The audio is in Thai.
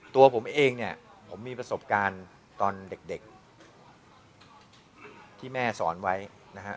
ตัวผมเองเนี่ยผมมีประสบการณ์ตอนเด็กที่แม่สอนไว้นะฮะ